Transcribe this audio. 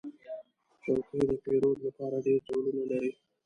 چوکۍ د پیرود لپاره ډېر ډولونه لري.